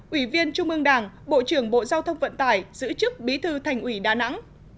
ủy viên trung ương đảng bộ trưởng bộ giao thông vận tải giữ chức bí thư thành ủy đà nẵng